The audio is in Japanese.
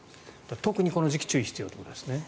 特にこの時期注意してということですね。